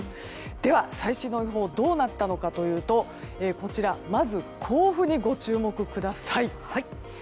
では、最新の予報どうなったかといいますとまず甲府にご注目ください。